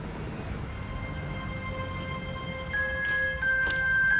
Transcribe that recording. adalah yosep orem blikololong pria paruhbaya kelahiran lembata